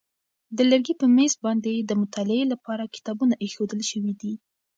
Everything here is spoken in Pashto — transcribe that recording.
د لرګي په مېز باندې د مطالعې لپاره کتابونه ایښودل شوي دي.